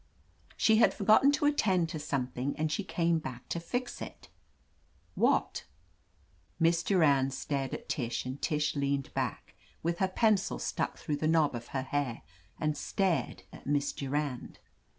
"She had forgotten to attend to something, and she came back to fix it." "What?" Miss Durand stared at Tish and Tish leaned back, with her pencil stuck through the knob of her hair, and stared at Miss Durand.